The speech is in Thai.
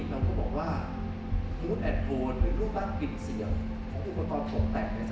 หรือว่างานศิลปะที่จะไปส่งเสริมลงทุนไปด้วยส่งเสริมและก็ดึงฝีในการบริหารเข้ามา